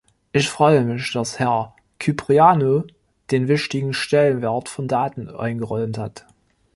Ich freue mich, dass Herr Kyprianou den wichtigen Stellenwert von Daten eingeräumt hat.